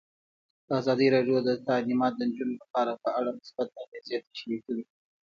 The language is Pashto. ازادي راډیو د تعلیمات د نجونو لپاره په اړه مثبت اغېزې تشریح کړي.